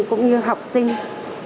cũng như học sinh